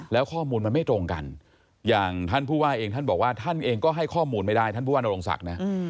แล้วข้อมูลมันไม่ตรงกันอย่างท่านผู้ว่าเองท่านบอกว่าท่านเองก็ให้ข้อมูลไม่ได้ท่านผู้ว่านโรงศักดิ์นะ